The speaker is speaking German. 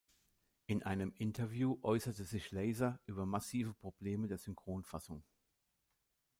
In einem Interview äußerte sich Laser über massive Probleme der Synchronfassung.